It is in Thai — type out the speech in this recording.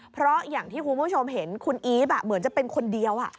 เพราะอย่างที่คุณผู้ชมเห็นคุณอีฟเหมือนจะเป็นคนเดียว